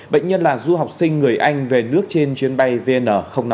bệnh nhân là du học sinh người anh về nước trên chuyến bay vn năm mươi